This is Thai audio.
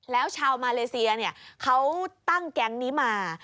แล้วชาวมาเลเซียเขาตั้งแก๊งนี้มา